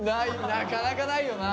なかなかないよな。